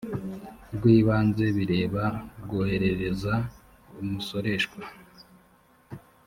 rw ibanze bireba rwoherereza umusoreshwa